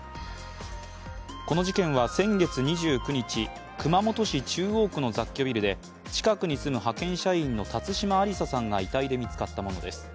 この事件は先月２９日熊本市中央区の雑居ビルで近くに住む派遣社員の辰島ありささんが遺体で見つかったものです。